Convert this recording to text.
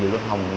đó là đối tượng